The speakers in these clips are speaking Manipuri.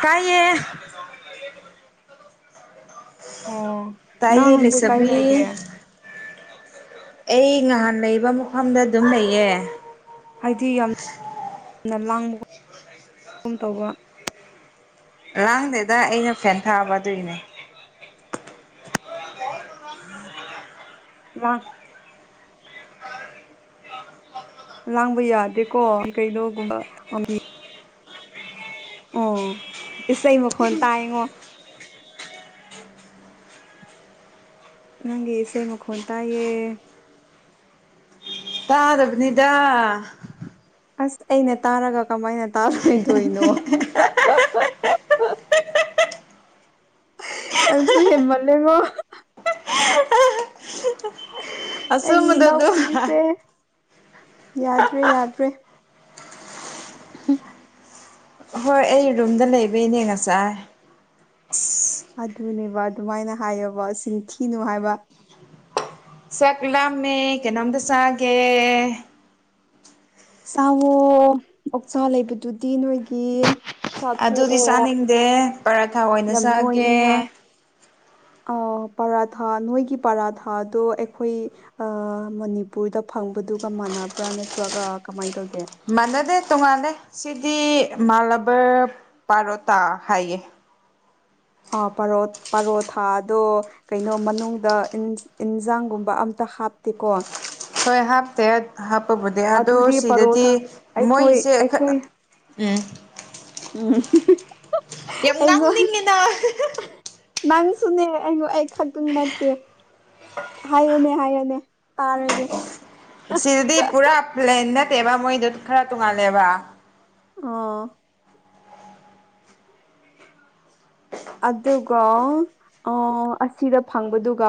ꯀꯥꯏꯌꯦ ꯑꯣ ꯅꯪ ꯍꯧꯖꯤꯛ ꯀꯥꯏ ꯇꯥꯏꯦꯅꯤꯁꯕꯤ ꯂꯩꯒꯦ ꯑꯩ ꯉꯍꯥꯟ ꯂꯩꯕ ꯃꯐꯝꯗ ꯑꯗꯨꯝ ꯂꯩꯌꯦ ꯍꯥꯏꯗꯤ ꯌꯥꯝ ꯌꯥꯝꯅ ꯂꯥꯡꯕꯒꯨꯝ ꯇꯧꯕ ꯂꯥꯡꯗꯦꯗ ꯑꯩꯅ ꯐꯦꯟ ꯊꯥꯕ ꯑꯗꯨꯏꯅꯦ ꯋꯥ ꯂꯥꯡꯕ ꯌꯥꯗꯦꯀꯣ ꯀꯩꯅꯣꯒꯨꯝꯕ ꯑꯣ ꯏꯁꯩ ꯃꯈꯣꯟ ꯇꯥꯏꯉꯣ ꯅꯪꯁꯩꯃ ꯈꯣꯟ ꯇꯌꯦꯌꯦ ꯇꯥꯗꯕꯅꯤꯗ ꯑꯁ ꯑꯩꯅ ꯇꯥꯔꯒ ꯀꯃꯥꯏꯅ ꯇꯥꯔꯣꯏꯣꯏꯗꯣꯏꯅꯣ ꯅꯪꯁꯨ ꯍꯃꯜꯂꯦꯉꯣ ꯑꯩꯒꯤ ꯑꯆꯨꯝꯕꯗꯣ ꯑꯗꯨꯝ ꯏꯅꯥꯎꯄꯤꯁꯦ ꯌꯥꯗ꯭ꯔꯦ ꯌꯥꯗ꯭ꯔꯦ ꯎꯝ ꯍꯣꯏ ꯑꯩ ꯔꯨꯝꯗ ꯂꯩꯕꯩꯅꯦ ꯉꯁꯥꯏ ꯑꯁ ꯑꯗꯨꯅꯦꯕ ꯑꯗꯨꯃꯥꯏꯅ ꯍꯥꯏꯌꯕ ꯆꯤꯟꯊꯤꯅꯨ ꯍꯥꯏꯕ ꯆꯛꯂꯝꯃꯦ ꯀꯩꯅꯣꯝꯇ ꯆꯥꯒꯦ ꯁꯥꯋ ꯑꯣꯛꯆꯥꯥ ꯂꯩꯕꯗꯨꯗꯤ ꯅꯣꯏꯒꯤ ꯁꯥꯊꯣ ꯑꯗꯨꯗꯤ ꯑꯣ ꯆꯥꯅꯤꯡꯗꯦ ꯄꯔꯥꯊꯥ ꯑꯣꯏꯅ ꯌꯥꯝ ꯆꯥꯒꯦ ꯅꯣꯏꯅꯤꯉꯥꯏ ꯄꯔꯥꯊꯥ ꯅꯣꯏꯒꯤ ꯄꯔꯥꯊꯥꯗꯣ ꯑꯩꯈꯣꯏ ꯃꯅꯤꯄꯨꯔꯗ ꯐꯪꯕ ꯑꯗꯨꯒ ꯃꯥꯟꯅꯕ꯭ꯔꯥ ꯅꯠꯇ꯭ꯔꯒ ꯀꯃꯥꯏ ꯇꯧ ꯃꯅꯗ ꯇꯣꯉꯥꯟꯂꯦ ꯁꯤꯗꯤ ꯃꯥꯂꯕ ꯄꯥꯔꯣꯇꯥ ꯍꯥꯏꯌꯦ ꯑꯔ ꯄꯔꯣꯊꯥꯗꯣ ꯀꯩꯅꯣ ꯃꯅꯨꯡꯗ ꯏꯟꯖꯥꯡꯒꯨꯝꯕ ꯑꯝꯇ ꯇ ꯍꯥꯞꯇꯀꯣ ꯍꯣꯏ ꯍꯥꯞꯇꯦ ꯍꯥꯞꯄꯕꯨꯗꯤ ꯑꯗꯣ ꯑꯗꯨꯗꯤ ꯁꯤꯗꯗꯤ ꯄꯔꯣꯊꯥ ꯑꯩꯈꯣꯏ ꯃꯣꯏꯁꯦ ꯑꯩꯈꯣꯏ ꯎꯝ ꯎꯝ ꯌꯥꯝ ꯑꯩꯉꯣꯟ ꯉꯥꯡꯅꯤꯡꯉꯅ ꯅꯪꯁꯨꯅꯦ ꯑꯩꯉ ꯑꯩ ꯈꯛꯇꯪ ꯅꯠꯇꯦ ꯍꯥꯏꯌꯨꯅꯦ ꯍꯥꯏꯌꯨꯅꯦ ꯇꯥꯔꯒꯦ ꯁꯤꯗꯨꯗꯤ ꯄꯨꯔꯥ ꯄ꯭ꯂꯦꯟ ꯅꯠꯇꯦꯕ ꯃꯣꯏꯗ ꯈꯔ ꯇꯣꯡꯉꯥꯜꯂꯦꯕ ꯑ ꯑꯗꯨꯒ ꯑꯁꯤꯗ ꯐꯪꯕꯗꯨꯒ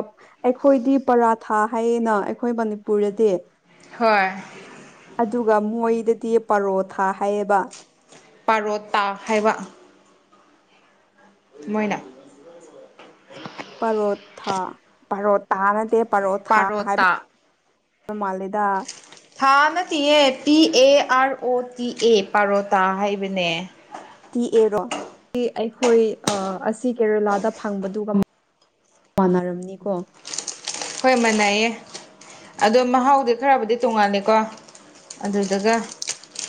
ꯑꯩꯈꯣꯏꯗꯤ ꯄꯔꯥꯊꯥ ꯍꯥꯏꯌꯦꯅ ꯑꯩꯈꯣꯏ ꯃꯅꯤꯄꯨꯔꯗꯗꯤ ꯍꯣꯏ ꯑꯗꯨꯒ ꯃꯣꯏꯗꯗꯤ ꯄꯔꯣꯊꯥ ꯍꯥꯏꯌꯦꯕ ꯄꯥꯔꯣꯇꯥ ꯍꯥꯏꯕ ꯃꯣꯏꯅ ꯄꯔꯣꯊꯥ ꯄꯔꯣꯇꯥ ꯅꯠꯇꯦ ꯄꯔꯣꯊꯥ ꯍꯥꯏꯕ ꯄꯥꯔꯣꯇꯥ ꯃꯥ ꯂꯤꯗꯥ ꯊꯥ ꯅꯠꯇꯤꯡꯌꯦ P A R O T A paratha ꯍꯥꯏꯕꯅꯦ ꯑꯦ ꯔꯣ ꯑꯩꯈꯣꯏ ꯑ ꯑꯁꯤ ꯀꯦꯔꯦꯂꯥꯗ ꯐꯪꯕꯗꯨꯒ ꯃꯅꯥꯔꯝꯅꯤ ꯀꯣ ꯍꯣꯏ ꯃꯥꯟꯅꯩꯌꯦ ꯑꯗꯣ ꯃꯍꯥꯎꯗꯤ ꯈꯔꯕꯨꯗꯤ ꯇꯣꯡꯉꯥꯜꯂꯤꯀꯣ ꯑꯗꯨꯗꯒ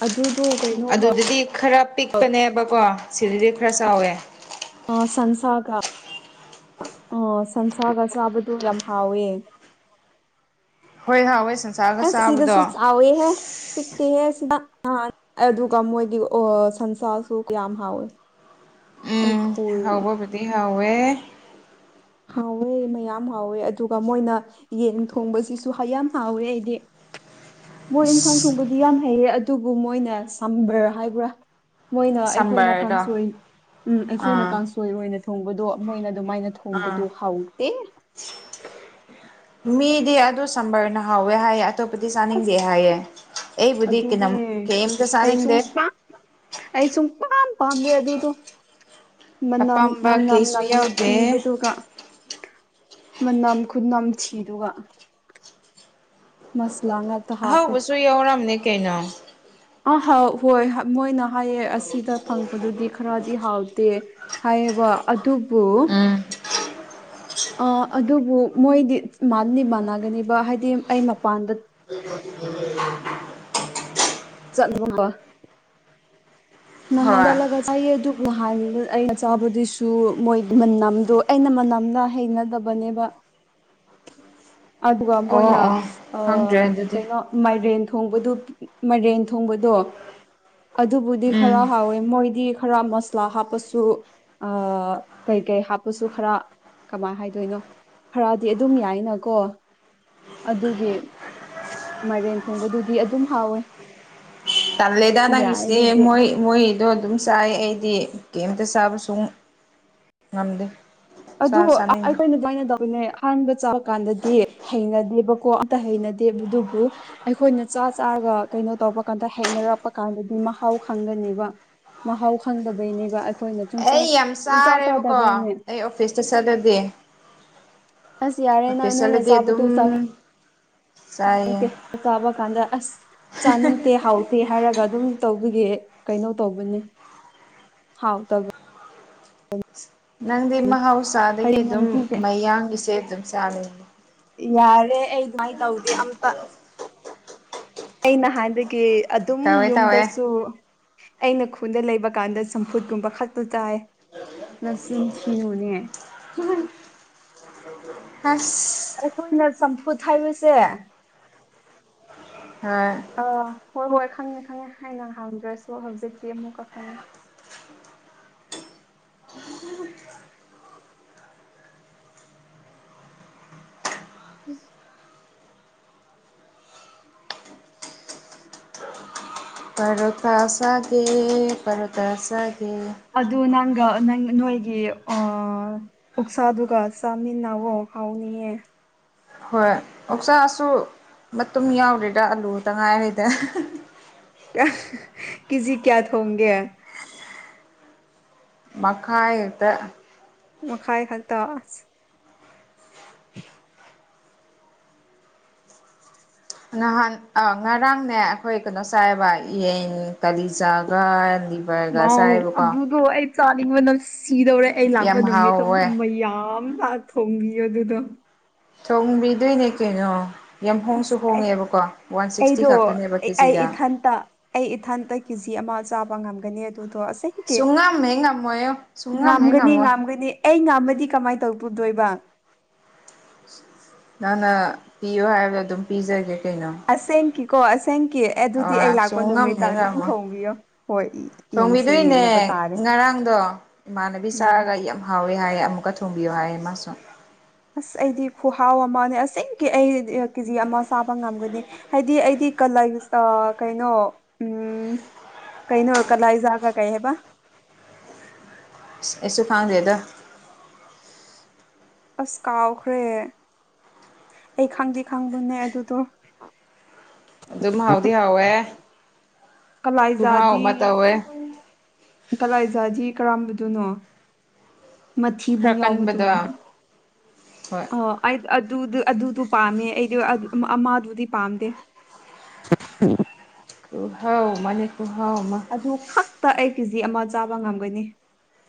ꯑꯗꯨꯗꯣ ꯀꯩꯅꯣꯒ ꯑꯗꯨꯗꯨꯗꯤ ꯈꯔ ꯄꯤꯛꯄꯅꯦꯕꯀꯣ ꯁꯤꯗꯗꯤ ꯈꯔ ꯆꯥꯎꯋꯦ ꯑ ꯁꯟꯁꯥꯒ ꯑ ꯁꯟꯁꯥꯒ ꯆꯥꯕꯗꯨ ꯌꯥꯝ ꯍꯥꯎꯋꯦ ꯍꯣꯏ ꯍꯥꯎꯋꯦ ꯁꯟꯁꯥꯒ ꯑꯁ ꯆꯥꯕꯗꯣ ꯁꯤꯗꯁꯨ ꯆꯥꯎꯋꯦ ꯍꯦ ꯄꯤꯛ [unintelligible] ꯇꯦꯍꯦ ꯁꯤꯗ ꯑ ꯗꯨꯒ ꯃꯣꯏꯒꯤ ꯑꯣ ꯁꯟꯁꯥꯁꯨ ꯀꯌꯥꯝ ꯍꯥꯎꯋꯦ ꯑꯩ [unintelligible] ꯍꯥꯎꯕ ꯕꯨꯗꯤ ꯍꯥꯎꯋꯦ ꯍꯥꯎꯋꯦ ꯃꯌꯥꯝ ꯍꯥꯎꯋꯦ ꯑꯗꯨꯒ ꯃꯣꯏꯅ ꯌꯦꯟ ꯊꯣꯡꯕꯁꯤꯁꯨ ꯍꯌꯥꯝ ꯍꯥꯎꯋꯦ ꯑꯩꯗꯤ ꯃꯣꯏ ꯏꯟꯁꯥꯡ ꯊꯣꯡꯕꯗꯤ ꯌꯥꯝ ꯍꯩꯌꯦ ꯑꯗꯨꯕꯨ ꯃꯣꯏꯅ ꯁꯝꯕ꯭ꯔ ꯍꯥꯏꯕ꯭ꯔꯥ ꯃꯣꯏꯅ ꯑꯩꯈꯣꯏꯅ ꯁꯝꯕꯔꯗꯣ ꯀꯥꯡꯁꯣꯏ ꯎꯝ ꯑꯩꯈꯣꯏꯅ ꯑꯥ ꯀꯥꯡꯁꯣꯏ ꯑꯣꯏꯅ ꯊꯣꯡꯕꯗꯣ ꯃꯣꯏꯅ ꯑꯗꯨꯃꯥꯏꯅ ꯑꯥ ꯊꯣꯡꯕꯗꯨ ꯍꯥꯎꯇꯦ ꯃꯤꯗꯤ ꯑꯗꯨ ꯁꯝꯕꯔꯅ ꯍꯥꯎꯋꯦ ꯍꯥꯏꯌꯦ ꯑꯇꯣꯞꯄꯗꯤ ꯆꯥꯅꯤꯡꯗꯦ ꯑꯁ ꯍꯥꯏꯌꯦ ꯑꯩꯕꯨꯗꯤ ꯀꯅꯝ ꯑꯗꯨꯗꯤ ꯀꯦꯝ ꯇ ꯑꯩ ꯆꯥꯅꯤꯡꯗꯦ ꯁꯨꯡ ꯄꯥꯝ ꯑꯩ ꯁꯨꯝ ꯄꯥꯝ ꯄꯥꯝꯗꯦ ꯑꯗꯨꯗꯣ ꯃꯅꯝ ꯑꯄꯥꯝꯕ ꯃꯅꯝ ꯀꯩꯁꯨ ꯌꯥꯎꯗꯦ ꯅꯝꯊꯤꯕꯗꯨꯒ ꯃꯅꯝ ꯈꯨꯅꯝ ꯊꯤꯗꯨꯒ ꯃꯁ [unintelligible] ꯑꯍꯥꯎꯕꯁꯨ ꯌꯥꯎꯔꯝꯅꯦ ꯀꯩꯅꯣ ꯑ ꯍꯥꯎ ꯍꯣꯏ ꯃꯣꯏꯅ ꯍꯥꯏꯌꯦ ꯑꯁꯤꯗ ꯐꯪꯕꯗꯨꯗꯤ ꯈꯔꯗꯤ ꯍꯥꯎꯇꯦ ꯍꯥꯏꯌꯦ ꯑꯗꯨꯕꯨ ꯎꯝ ꯑ ꯑꯗꯨꯕꯨ ꯃꯣꯏꯗꯤ ꯃꯥꯗꯤ ꯃꯥꯟꯅꯒꯅꯦꯕ ꯍꯥꯏꯗꯤ ꯑꯩ ꯃꯄꯥꯟꯗ ꯆꯠꯂꯕ [unintelligible] ꯅꯍꯥ [unintelligible] ꯍꯣꯏ ꯆꯠꯂꯒ ꯆꯥꯏꯑ ꯑꯗꯨꯕꯨ ꯅꯍꯥꯟ ꯑꯩꯅ ꯆꯥꯕꯗꯨꯁꯨ ꯃꯣꯏ ꯃꯅꯝꯗꯣ ꯑꯩꯅ ꯃꯅꯝꯅ ꯍꯩꯅꯗꯕꯅꯦꯕ ꯑꯗꯨꯒ ꯑꯣ ꯃꯣꯏꯅ ꯑꯣ ꯑ ꯈꯪꯗ꯭ꯔꯦ ꯑꯗꯨꯗꯤ ꯀꯩꯅꯣ ꯃꯥꯏꯒꯔꯦꯟ ꯊꯣꯡꯕꯗꯨ ꯃꯥꯏꯔꯦꯟ ꯊꯣꯡꯕꯗꯣ ꯑꯗꯨꯕꯨꯗꯤ ꯈꯔ ꯎꯝ ꯍꯥꯎꯋꯦ ꯃꯣꯏꯗꯤ ꯈꯔ ꯃꯁꯂꯥ ꯍꯥꯞꯄꯁꯨ ꯀꯩ ꯀꯩ ꯍꯥꯞꯄꯁꯨ ꯈꯔ ꯀꯃꯥꯏꯅ ꯍꯥꯏꯗꯣꯏꯅꯣ ꯐꯔꯗꯤ ꯑꯗꯨꯝ ꯌꯥꯏꯅꯀꯣ ꯑꯗꯨꯒꯤ ꯃꯥꯏꯔꯦꯟ ꯊꯣꯡꯕꯗꯨꯗꯤ ꯑꯗꯨꯝ ꯍꯥꯎꯋꯦ ꯇꯜꯂꯦꯗ ꯌꯥꯏ ꯅꯪꯒꯤꯁꯤꯗꯤ ꯑꯗꯨꯗꯤ ꯃꯣꯏ ꯃꯣꯏ ꯑꯗꯣ ꯑꯗꯨꯝ ꯆꯥꯏ ꯑꯩꯗꯤ ꯀꯩꯝꯇ ꯆꯥꯕ ꯁꯨ ꯉꯝꯗꯦ ꯑꯗꯨ ꯆꯥ ꯆꯥꯅꯤꯡꯗꯦ ꯑꯩꯈꯣꯏꯅ ꯗꯨꯃꯥꯏꯅ [unintelligible] ꯕꯅꯦ ꯑꯍꯥꯟꯕ ꯆꯥꯕ ꯀꯥꯟꯗꯗꯤ ꯍꯩꯅꯗꯦꯕꯀꯣ ꯑꯝꯇ ꯍꯩꯅꯗꯦꯕ ꯑꯗꯨꯕꯨ ꯑꯩꯈꯣꯏꯅ ꯆꯥ ꯆꯥ ꯆꯥꯔꯒ ꯀꯩꯅꯣ ꯇꯧꯕ ꯀꯥꯟꯗ ꯍꯩꯅꯔꯛꯄ ꯀꯥꯟꯗꯗꯤ ꯃꯍꯥꯎ ꯈꯪꯒꯅꯦꯕ ꯃꯍꯥꯎ ꯈꯪꯗꯕꯩꯅꯦꯕ ꯑꯩꯈꯣꯏꯅ ꯄꯨꯡꯆꯥ ꯑꯩ ꯌꯥꯝ ꯄꯨꯡꯆꯥ ꯆꯥꯔꯦꯕꯀꯣ ꯆꯥꯗꯕꯩꯅꯦ ꯑꯩ ꯑꯣꯐꯤꯁꯇ ꯆꯠꯂꯗꯤ ꯑꯁ ꯌꯥꯔꯦ ꯅꯪ ꯑꯣꯐꯤꯁ ꯅꯣꯏꯅ ꯆꯠꯂꯗꯤ ꯑꯗꯨꯝ ꯆꯥꯕꯗꯣ ꯆꯥꯅꯤꯡ ꯆꯥꯏꯌꯦ ꯇꯦ ꯆꯥꯕ ꯀꯥꯟꯗ ꯑꯁ ꯆꯥꯅꯤꯡꯗꯦ ꯍꯥꯎꯇꯦ ꯍꯥꯏꯔꯒ ꯑꯗꯨꯝ ꯇꯧ ꯑꯗꯨꯒꯤ ꯀꯩꯅꯣ ꯇꯧꯕꯅꯤ ꯍꯥꯎꯇꯕ ꯅꯪꯗꯤ ꯃꯍꯧꯁꯥꯗꯒꯤ ꯍꯌꯦꯡ ꯑꯗꯨꯝ ꯅꯨꯡꯇꯤ ꯃꯌꯥꯡꯒꯤꯁꯦ ꯑꯗꯨꯝ ꯆꯥ [unintelligible] ꯌꯥꯔꯦ ꯑꯩ ꯑꯗꯨꯃꯥꯏꯅ ꯇꯧꯗꯦ ꯑꯝꯇ ꯑ ꯅ ꯍꯥꯟꯗꯒꯤ ꯑꯗꯨꯝ ꯇꯧꯋꯦ ꯇꯧꯋꯦ ꯌꯨꯝꯗꯁꯨ ꯑꯩꯅ ꯈꯨꯟꯗ ꯂꯩꯕꯀꯥꯟꯗ ꯆꯝꯐꯨꯠꯀꯨꯝꯕ ꯈꯛꯇ ꯆꯥꯏ ꯅꯁꯤꯤꯟ ꯊꯣꯅꯦ [unintelligible] ꯑ ꯑꯩꯈꯣꯏꯅ ꯆꯝꯐꯨꯠ ꯍꯥꯏꯕꯁꯦ ꯍꯣꯏ ꯑꯥ ꯍꯣꯏ ꯍꯣꯏ ꯈꯪꯉꯦ ꯈꯪꯉꯦ ꯍꯥꯏꯅ ꯍꯥꯎꯗ꯭ꯔꯁꯨ ꯍꯧꯖꯤꯛꯇꯤ ꯑꯃꯨꯛꯀ ꯈꯪꯉꯦ [inaudible] ꯎꯝ ꯄꯔ ꯊꯁꯒꯦ ꯄꯔ ꯊꯁꯒꯦ ꯑ ꯑꯗꯨ ꯅꯪ ꯅꯪ ꯅꯣꯏꯒꯤ ꯑꯣꯛꯁꯥꯗꯨꯒ ꯆꯥꯃꯤꯟꯅꯑꯣ ꯍꯥꯎꯅꯤꯌꯦ ꯍꯣꯏ ꯑꯣꯛꯆꯥꯥꯁꯨ ꯃꯇꯨꯝ ꯌꯥꯎꯔꯤꯗ ꯑꯂꯨ ꯇꯉꯥꯏꯈꯗ ꯀ ꯀꯖꯤ ꯀꯌꯥ ꯊ ꯍꯣꯡꯒꯦ ꯃꯀꯥꯏꯇ ꯃꯈꯥꯏ ꯍꯛꯇꯥꯁ ꯅꯍꯥꯟ ꯉꯔꯥꯡꯅꯦ ꯑꯩꯈꯣꯏ ꯀꯩꯅꯣ ꯆꯥꯏꯕ ꯌꯦꯟ ꯀꯂꯤ ꯆꯥꯒꯗꯤꯕꯔꯒ ꯁꯥꯍꯦꯕ ꯀꯣ ꯆꯥꯅꯤꯡꯕꯅꯝ ꯁꯤꯗꯧꯔꯦ ꯑꯩ ꯂꯥꯛꯄ ꯅꯨꯃꯤꯠꯇ ꯍꯥꯎꯋꯦ ꯃꯌꯥꯝ ꯃꯥ ꯊꯣꯡꯕꯤ ꯑꯗꯨꯗ ꯊꯣꯡꯕꯤꯗꯣꯏꯅꯦ ꯀꯩꯅꯣ ꯌꯥꯝ ꯍꯣꯡꯁꯨ ꯑꯁ ꯍꯣꯡꯉꯦꯕꯀꯣ ꯋꯥꯟ ꯁꯤꯛꯁꯇꯤ ꯑꯩꯗꯣ ꯈꯛꯇꯅꯦꯕ ꯑꯩ ꯑꯩ ꯀꯦꯖꯤꯗ ꯏꯊꯟꯇ ꯑꯩ ꯏꯊꯟꯇ ꯀꯦ ꯖꯤ ꯑꯃ ꯆꯥꯕ ꯉꯝꯒꯅꯤ ꯑꯗꯨꯗꯣ ꯑꯁꯤꯁꯒꯤ ꯁꯨꯡꯉꯝ ꯍꯦꯛ ꯉꯝꯃꯣꯏꯌꯣ ꯁꯨꯡꯉꯝ ꯍꯦꯛ ꯉꯝꯒꯅꯤ ꯉꯝꯃꯣꯏ ꯉꯝꯒꯅꯤ ꯑꯩ ꯉꯃꯗꯤ ꯀꯃꯥꯏꯅ ꯇꯧ ꯇꯨꯗꯣꯏꯕ ꯅꯪꯅ ꯄꯤꯌꯣ ꯍꯥꯏꯕꯗ ꯑꯗꯨꯝ ꯄꯤꯖꯒꯦ ꯀꯩꯅꯣ ꯑꯁꯦ ꯀ ꯀꯣꯁ ꯊꯦꯡꯀ꯭ꯌꯨ ꯑꯗꯨꯗꯤ ꯑꯩ ꯑ ꯂꯥꯛꯄ ꯁꯨꯡꯉꯝ ꯅꯨꯃꯤꯠꯇ ꯍꯦꯛ ꯑꯗꯨꯝ ꯉꯝꯃꯣꯏ ꯊꯣꯡꯕꯤꯌꯣ ꯍꯣꯏ ꯌꯦꯡꯁꯦ ꯌꯦꯡꯅꯕ ꯊꯣꯡꯕꯤꯗꯣꯏꯅꯦ ꯇꯥꯔꯦ ꯉꯔꯥꯡꯗꯣ ꯏꯃꯥꯟꯅꯕꯤ ꯎꯝ ꯆꯥꯔꯒ ꯌꯥꯝ ꯍꯥꯎꯋꯦ ꯍꯥꯏꯌꯦ ꯑꯃꯨꯛꯀ ꯊꯣꯡꯕꯤꯌꯣ ꯍꯥꯏꯌꯦ ꯃꯥꯁꯨ ꯑꯁ ꯑꯩꯗꯤ ꯈꯨꯍꯥꯎ ꯑꯃꯅꯦ ꯑ ꯑꯩ ꯀꯦꯖꯤ ꯑꯃ ꯆꯥꯕ ꯉꯝꯒꯅꯤ ꯍꯥꯏꯗꯤ ꯑꯩꯗꯤ ꯀꯩꯅꯣ ꯎꯝ ꯀꯩꯅꯩꯅ ꯀꯂꯏꯖꯒ ꯀꯩ ꯍꯥꯏꯦꯕ ꯏꯁꯨ ꯊꯥꯗꯗ ꯑꯁ ꯀꯥꯎꯈ꯭ꯔꯦ ꯑꯩ ꯈꯪꯗꯤ ꯈꯪꯕꯅꯦ ꯑꯗꯨꯗꯣ ꯑꯗꯨꯗꯝ ꯍꯥꯎꯗꯤ ꯍꯥꯎꯦ ꯀꯂꯥꯏꯖꯥꯖꯤ ꯀꯂꯥꯏꯖꯥꯖꯤ ꯀꯔ ꯑꯗꯨꯅ ꯈꯔ ꯃꯊꯤꯕꯨꯡ ꯌꯥꯎꯕꯗꯨꯔꯥ ꯀꯟꯕꯗꯣ ꯍꯣꯏ ꯑ ꯑꯗꯨꯗ ꯑꯗꯨꯗꯨ ꯄꯥꯝꯃꯦ ꯑꯩꯗꯤ ꯑꯃꯗꯨꯗꯤ ꯄꯥꯝꯗꯦ ꯍꯥꯎ ꯃꯅꯤ ꯑꯗꯨ ꯐꯛꯇ ꯑꯩ ꯀꯦꯖꯤ ꯑꯃ ꯆꯥꯕ ꯉꯝꯒꯅꯤ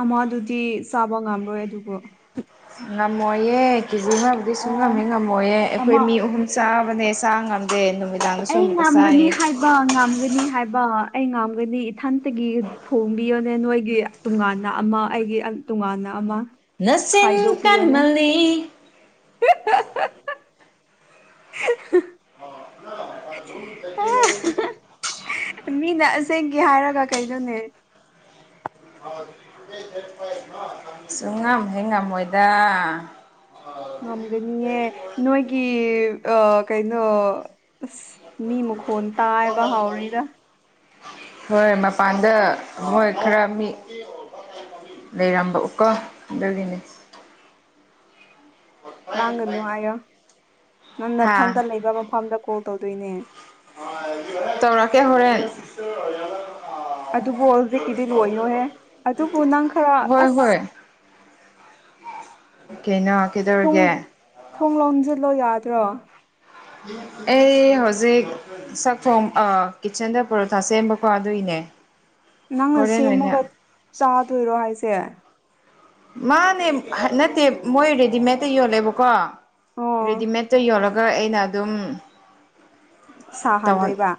ꯑꯃꯗꯨꯗꯤ ꯆꯥꯕ ꯉꯝꯔꯣꯏ ꯑꯗꯨꯕꯨ ꯉꯃꯣꯦ ꯀꯦꯖꯤ ꯑꯃꯕꯨꯗꯤ ꯑ ꯁꯨꯡ ꯉꯝꯃꯦ ꯉꯝꯃꯣꯏꯌꯦ ꯑꯩꯈꯣꯏ ꯑꯃ ꯃꯤ ꯑꯍꯨꯝ ꯆꯥꯕꯅꯦ ꯆꯥ ꯉꯝꯗꯦ ꯅꯨꯃꯤꯗꯥꯡꯗ ꯁ ꯑꯩ ꯑꯃꯨꯛꯀ ꯉꯝꯒꯅꯤ ꯆꯥꯏꯌꯦ ꯍꯥꯏꯕ ꯉꯝꯒꯅꯤ ꯍꯥꯏꯕ ꯑꯩ ꯉꯥꯝꯒꯅꯤ ꯏꯊꯟꯇꯒꯤ ꯊꯣꯡꯕꯤꯌꯣꯅꯦ ꯅꯣꯏꯒꯤ ꯇꯣꯉꯥꯟꯅ ꯑꯃ ꯑꯩꯒꯤ ꯇꯣꯉꯥꯟꯅ ꯑꯃ ꯅꯁꯤꯤꯡ ꯈꯥꯏꯗꯣꯛꯄꯤꯌꯣꯅꯦ ꯀꯟꯃꯅꯤ [inaudible] [unintelligible] ꯑꯣ ꯃꯤꯗꯥ ꯇꯁꯦꯡꯒꯤꯦ ꯍꯥꯏꯔꯒ ꯀꯩꯗꯧꯅꯦ ꯁꯨꯡꯉꯝ ꯍꯦꯉꯝꯃꯣꯏꯗ ꯉꯝꯒꯅꯤꯑ ꯅꯣꯏꯒꯤ ꯑ ꯀꯩꯅꯣ ꯑꯁ ꯃꯤ ꯃꯈꯣꯟ ꯇꯥꯏꯕ ꯍꯥꯎꯔꯤꯗ ꯍꯣꯏ ꯃꯄꯥꯟꯗ ꯍꯣꯏ ꯈꯔ ꯃꯤ ꯂꯩꯔꯝꯕꯎꯀꯣ ꯑꯗꯨꯒꯤꯅꯦ ꯂꯥꯡꯒꯅꯨ ꯍꯥꯏꯌꯣ ꯅꯪꯅꯊꯟꯇ ꯍꯥ ꯂꯩꯕ ꯃꯐꯝꯗ ꯀꯣꯜ ꯇꯧꯗꯣꯏꯅꯦ ꯇꯧꯔꯛꯀꯦ ꯍꯣꯔꯦꯟ ꯑꯗꯨꯕꯨ ꯍꯧꯖꯤꯛꯀꯤꯗꯤ ꯂꯣꯏꯌꯣꯍꯦ ꯑꯗꯨꯕꯨ ꯅꯪ ꯈꯔ ꯍꯣꯏ ꯑꯁ ꯍꯣꯏ ꯀꯩꯅꯣ ꯀꯩꯗꯧꯔꯒꯦ ꯊꯣꯡꯂꯣꯝꯁꯤꯜꯂꯣ ꯌꯥꯗ꯭ꯔꯣ ꯑꯩ ꯍꯧꯖꯤꯛ ꯁꯛꯈꯣꯝ ꯀꯤꯠꯆꯟꯗ ꯄꯔꯣꯊꯥ ꯁꯦꯝꯕꯀꯣ ꯑꯗꯨꯏꯅꯦ ꯇꯦ ꯅꯪꯅ ꯁꯦꯝꯃꯒ ꯆꯥꯗꯣꯏꯔꯣ ꯍꯥꯏꯁꯦ ꯃꯥꯅꯦ ꯅꯠꯇꯦ ꯃꯣꯏ ꯔꯦꯗꯤꯃꯦꯗꯇ ꯌꯣꯜꯂꯦꯕꯀꯣ ꯑꯣ ꯔꯦꯗꯤꯃꯦꯠꯇꯣ ꯌꯣꯜꯂꯒ ꯑꯩꯅ ꯑꯗꯨꯝ ꯁꯥꯍꯥꯟꯗꯣꯏꯕ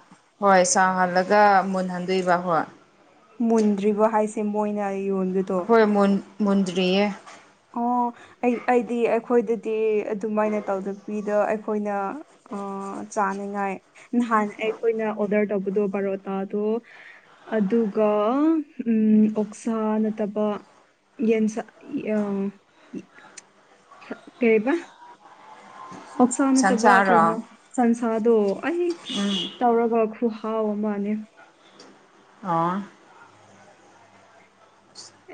ꯆꯥꯍꯜꯂꯒ ꯃꯨꯟꯍꯟꯗꯣꯏꯕ ꯍꯣꯏ ꯃꯨꯟꯗ꯭ꯔꯤꯕꯣ ꯍꯥꯏꯁꯦ ꯃꯣꯏꯅ ꯌꯣꯟꯕꯗꯣ ꯃꯨꯗꯌꯦ ꯑꯣ ꯑꯩꯗꯤ ꯑꯩꯈꯣꯏꯗꯗꯤ ꯑꯗꯨꯃꯥꯏꯅ ꯇꯧꯗꯕꯤꯗ ꯑꯩꯈꯣꯏꯅ ꯑ ꯆꯥꯅꯤꯉꯥꯏ ꯅꯍꯥꯟ ꯑꯩꯈꯣꯏꯅ ꯑꯣꯗꯔ ꯇꯧꯕꯗꯣ ꯕꯔꯣꯇꯥꯗꯣ ꯑꯗꯨꯒ ꯑꯣꯛꯁꯥ ꯅꯠꯇꯕ ꯌꯦꯟꯁꯥ ꯑ ꯀꯔꯤꯕ ꯑꯣꯛꯁꯥ ꯅꯠꯇꯕ ꯀꯩꯅꯣ ꯁꯟꯁꯥꯔꯣ ꯁꯟꯁꯥꯗꯣ ꯑꯩ ꯇꯧꯔꯒ ꯍꯥꯎ ꯃꯥꯅꯦ ꯑꯣ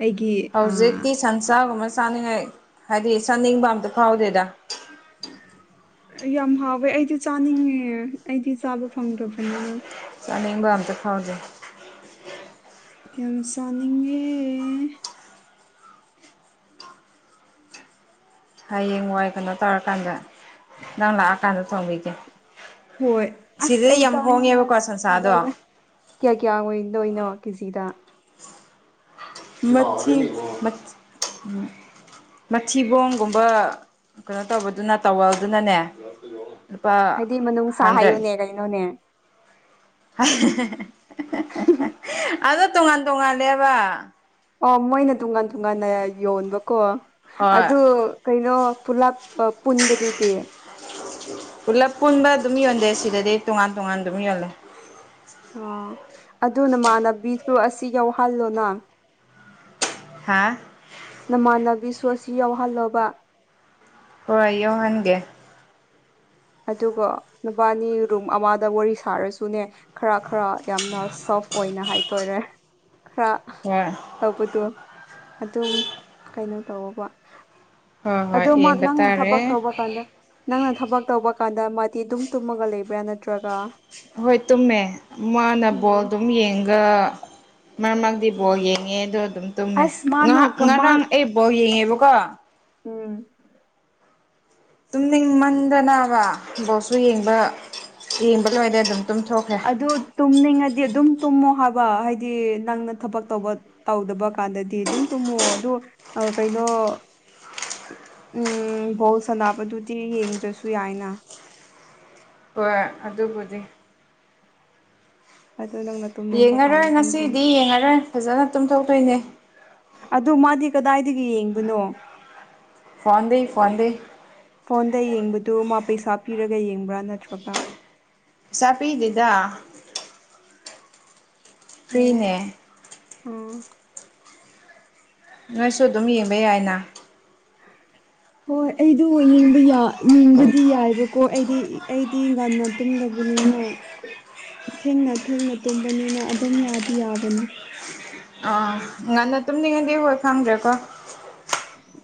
ꯑꯩꯒꯤ ꯑꯥ ꯍꯧꯖꯤꯛꯇꯤ ꯁꯟꯁꯥꯒꯨꯝꯕ ꯆꯥꯅꯤꯡꯉꯥꯏ ꯍꯥꯏꯗꯤ ꯆꯥꯅꯤꯡꯕ ꯑꯝꯇ ꯐꯥꯎꯗꯦꯗ [unintelligible] ꯌꯥꯝ ꯍꯥꯎꯋꯦ ꯑꯩꯗꯤ ꯆꯥꯅꯤꯡꯉꯦ ꯑꯩꯗꯤ ꯆꯥꯕ ꯐꯪꯗ꯭ꯔꯕꯅꯤꯅ ꯆꯥꯅꯤꯡꯕ ꯑꯝꯇ ꯐꯥꯎꯖꯩ ꯌꯥꯝ ꯁꯥꯅꯤꯡꯉꯦ ꯍꯌꯦꯡ ꯋꯥꯏ ꯀꯩꯅꯣ ꯇꯧꯔꯀꯥꯟꯗ ꯅꯪ ꯂꯥꯛꯑꯀꯥꯟꯗ ꯊꯣꯡꯕꯤꯒꯦ ꯍꯣꯏ ꯑꯁ ꯁꯤꯗꯗꯤ ꯑꯩ ꯌꯥꯝ ꯍꯣꯡꯉꯦꯕꯀꯣ ꯆꯥꯉꯦꯅꯁ ꯁꯟꯁꯥꯗꯣ ꯀꯤꯗꯧꯔꯦ ꯀꯌꯥ ꯀꯌꯥ ꯑꯣꯏꯗꯣꯏꯅꯣ ꯀꯦꯖꯤꯗ ꯃꯤ ꯃ ꯃꯊꯤꯕꯣꯡꯒꯨꯝꯕ ꯀꯩꯅꯣ ꯇꯧꯕꯗꯨꯅ ꯇꯥꯋꯜꯗꯨꯅꯅꯦ ꯂꯨꯄꯥ ꯍꯥꯏꯗꯤ ꯃꯅꯨꯡꯅꯨꯡꯁꯥ ꯍꯟꯗ꯭ꯔꯦꯠ ꯍꯥꯏꯌꯨꯅꯦ ꯀꯩꯅꯣꯅꯦ ꯑꯗꯣ ꯇꯣꯉꯥꯟ ꯇꯣꯉꯥꯜꯂꯦꯕ ꯑꯣ ꯃꯣꯏꯅ ꯇꯣꯉꯥꯟ ꯇꯣꯉꯥꯟꯅ ꯌꯣꯟꯕꯀꯣ ꯍꯣꯏ ꯑꯗꯨ ꯀꯩꯅꯣ ꯄꯨꯂꯞ ꯄꯨꯟꯕꯗꯨꯗꯤ ꯄꯨꯂꯞ ꯄꯨꯟꯕ ꯑꯗꯨꯝ ꯌꯣꯟꯖꯩ ꯁꯤꯗꯗꯤ ꯇꯣꯉꯥꯟ ꯇꯣꯉꯥꯟ ꯑꯗꯨꯝ ꯌꯣꯜꯂꯦ ꯑ ꯑꯗꯨ ꯅꯃꯅꯕꯤꯗꯨ ꯑꯁꯤ ꯌꯥꯎꯍꯜꯂꯣꯅ ꯍꯥ ꯅꯃꯥꯟꯅꯕꯤ ꯁꯣ ꯑꯁꯤ ꯌꯥꯎꯍꯜꯂꯕ ꯍꯣꯏ ꯌꯧꯍꯟꯒꯦ ꯑꯗꯨꯒ ꯅꯨꯄꯥꯅꯤ ꯔꯨꯝ ꯑꯃꯗ ꯋꯥꯔꯤ ꯁꯥꯔꯁꯨꯅꯦ ꯈꯔ ꯈꯔ ꯌꯥꯝꯅ ꯁꯣꯐ ꯑꯣꯏꯅ ꯍꯥꯏꯇꯔꯦ ꯈꯔ ꯍꯣꯏ ꯇꯧꯕꯗꯣ ꯑꯗꯨꯝ ꯀꯩꯅꯣ ꯇꯧꯀ ꯍꯣꯏ ꯍꯣꯏ ꯑꯗꯨ ꯌꯦꯡꯕ ꯅꯪꯅ ꯊꯕꯛ ꯇꯥꯔꯦ ꯇꯧꯕ ꯀꯥꯟꯗ ꯅꯪꯅ ꯊꯕꯛ ꯇꯧꯕ ꯀꯥꯟꯗ ꯃꯥꯗꯤ ꯑꯗꯨꯝ ꯇꯨꯝꯃꯒ ꯂꯩꯕ꯭ꯔꯥ ꯅꯠꯇ꯭ꯔꯒ ꯍꯣꯏ ꯇꯨꯝꯃꯦ ꯃꯥꯅ ꯕꯣꯜ ꯎꯝ ꯑꯗꯨꯝ ꯌꯦꯡ ꯑꯗꯨꯒ ꯃꯔꯛ ꯃꯔꯛꯇ ꯕꯣꯔ ꯌꯦꯡꯉꯦ ꯑꯗꯣ ꯇꯨꯝꯃꯦ ꯑꯁ ꯃꯥꯅꯣ ꯉꯍꯥꯛ ꯀꯃꯥ ꯉꯔꯥꯡ ꯑꯩꯕꯥꯎ ꯌꯦꯡꯉꯦꯕꯀꯣ ꯎꯝ ꯇꯨꯝꯅꯤꯡꯃꯟꯗꯅꯕ ꯕꯣꯠꯁꯨ ꯌꯦꯡꯕ ꯌꯦꯡꯕ ꯂꯣꯏꯔꯦ ꯑꯗꯨꯝ ꯇꯨꯝꯊꯣꯛꯈ꯭ꯔꯦ ꯑꯗꯨ ꯇꯨꯝꯅꯤꯡꯉꯗꯤ ꯑꯗꯨꯝ ꯇꯨꯝꯃꯣ ꯍꯥꯏꯕ ꯍꯥꯏꯗꯤ ꯅꯪꯅ ꯊꯕꯛ ꯇꯧꯕ ꯇꯧꯗꯕ ꯀꯥꯟꯗꯗꯤ ꯑꯗꯨꯝ ꯇꯨꯝꯃꯣ ꯑꯗꯨ ꯀꯩꯅꯣ ꯎꯝ ꯕꯣꯜ ꯁꯅꯕꯗꯨꯗꯤ ꯌꯦꯡꯗ꯭ꯔꯁꯨ ꯌꯥꯏꯅ ꯍꯣꯏ ꯑꯗꯨꯕꯨꯗꯤ ꯑꯗꯨ ꯅꯪꯅ ꯇꯨꯝꯅꯤꯡꯕ ꯀꯥꯟꯗ ꯌꯦꯡꯉꯔꯣꯏ ꯑꯗꯨꯝ ꯇꯨꯝ ꯉꯁꯤꯗꯤ ꯌꯦꯡꯉꯔꯣꯏ ꯐꯖꯅ ꯇꯨꯝꯊꯣꯛꯇꯣꯏꯅꯦ ꯑꯗꯨ ꯃꯥꯗꯤ ꯀꯗꯥꯏꯗꯒꯤ ꯌꯦꯡꯕꯅꯣ ꯐꯣꯟꯗꯩ ꯐꯣꯟꯗꯩ ꯐꯣꯟꯗ ꯌꯦꯡꯕ ꯇ ꯃꯥꯄ ꯁꯥꯞ ꯄꯤꯔꯒ ꯌꯦꯡꯕ꯭ꯔꯥ ꯅꯠꯇ꯭ꯔꯒ ꯁꯥ ꯄꯤꯗꯗ ꯑꯣ ꯀꯏꯅꯦ ꯎꯝ ꯅꯣꯏꯁꯨ ꯑꯗꯨꯝ ꯌꯦꯡꯕ ꯌꯥꯏꯅ [inaudible] ꯍꯣꯏ ꯑꯩꯗꯣ ꯌꯦꯕ ꯌꯦꯡꯕꯗꯤ ꯌꯥꯏꯕꯀꯣ ꯑꯩꯗꯤ ꯑꯩꯗꯤ ꯉꯟꯅ ꯇꯨꯝꯗꯕ ꯅ ꯊꯦꯡꯅ ꯊꯦꯡꯅ ꯇꯨꯝꯕꯅꯤꯅ ꯑꯗꯨꯝ ꯌꯥꯗꯤ ꯌꯥꯕꯅꯤ ꯑꯥ ꯉꯟꯅ ꯇꯨꯝꯂꯤꯉꯩꯗꯤ ꯍꯣꯏ ꯐꯪꯗ꯭ꯔꯦꯀꯣ